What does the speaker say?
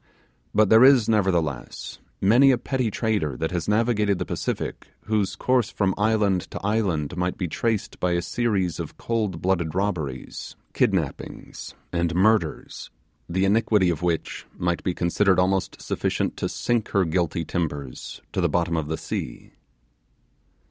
But there is, nevertheless, many a petty trader that has navigated the Pacific whose course from island to island might be traced by a series of cold blooded robberies, kidnappings, and murders, the iniquity of which might be considered almost sufficient to sink her guilty timbers to the bottom of the sea.